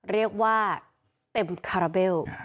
เรียกว่าเต็มคาราเบล